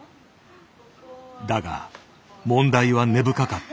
だが問題は根深かった。